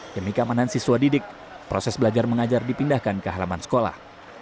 demi keamanan siswa didik proses belajar mengajar dipindahkan ke halaman sekolah